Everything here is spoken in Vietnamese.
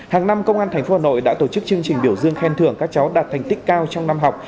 hàng năm công an tp hà nội đã tổ chức chương trình biểu dương khen thưởng các cháu đạt thành tích cao trong năm học